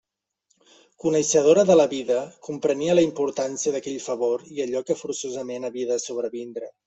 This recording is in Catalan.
Coneixedora de la vida, comprenia la importància d'aquell favor i allò que forçosament havia de sobrevindre.